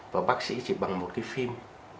và bác sĩ chỉ bằng một cái phim